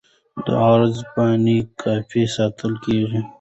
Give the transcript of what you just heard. د عرض پاڼې کاپي ساتل کیږي.